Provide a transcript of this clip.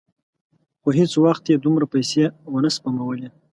خو هېڅ وخت یې دومره پیسې ونه سپمولې.